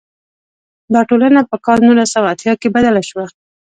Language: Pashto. دا ټولنه په کال نولس سوه اتیا کې بدله شوه.